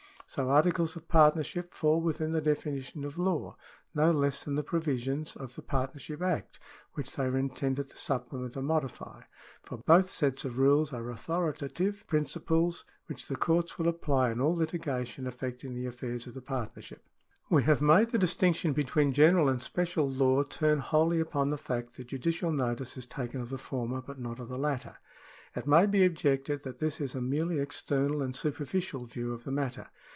So articles of partnership fall within the definition of law, no less than the provisions of the Partnership Act which they are intended to supplement or modify, for both sets of rules are authoritative principles which the courts will apply in all litigation affecting the affairs of the partnership. We have made the distinction between general and special law turn wholly ujion the fact that judicial notice is taken of the former but not of the latter. It may be objected that this is a merely external and superficial view of the matter.